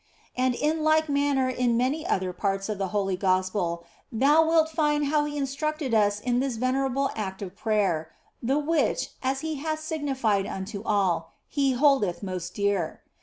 And in like manner in many other parts of the Holy Gospel thou wilt find how He instructed us in this venerable act of prayer, the which, as He hath signified unto all, He holdeth most dear.